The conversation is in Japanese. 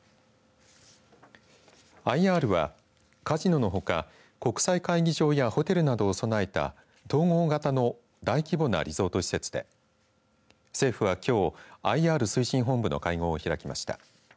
ＩＲはカジノのほか国際会議場やホテルなどを備えた統合型の大規模なリゾート施設で政府は、きょう、ＩＲ推進本部の会合を開きました。